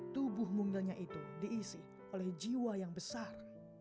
tubuh munggalnya itu diisi oleh jiwa yang besar